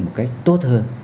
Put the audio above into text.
một cách tốt hơn